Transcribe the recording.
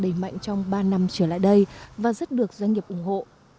trường cao đẳng dân tộc nội chú bắc cạn đã giữ mạnh trong ba năm trở lại đây và rất được doanh nghiệp ủng hộ